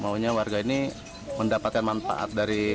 maunya warga ini mendapatkan manfaat dari